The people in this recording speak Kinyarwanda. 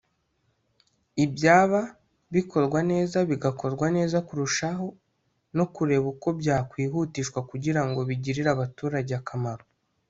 ibyaba bikorwa neza bigakorwa neza kurushaho no kureba uko byakwihutishwa kugira ngo bigirire abaturage akamaro